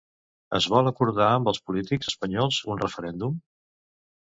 Es vol acordar amb els polítics espanyols un referèndum?